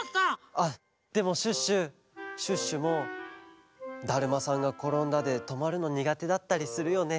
あっでもシュッシュシュッシュも「だるまさんがころんだ」でとまるのにがてだったりするよね？